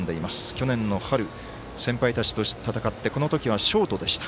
去年の春、先輩たちと戦ってこの時はショートでした。